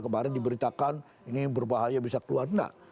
kemarin diberitakan ini berbahaya bisa keluar enggak